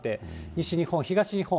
西日本、東日本。